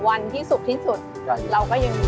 วันที่สุดที่สุดเราก็ยังอยู่ด้วยกัน